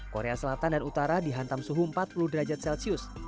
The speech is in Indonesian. korea selatan dan utara dihantam suhu empat puluh derajat celcius